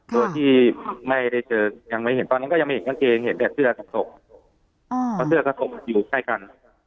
แล้วที่ไม่ได้เจอยังไม่เห็นตอนนี้ก็ไม่เห็นกางเกงเพราะเสื้อกระจกกระจกอยู่ใกล้กัน